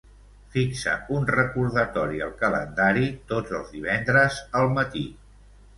Fixa un recordatori al calendari tots els divendres al matí.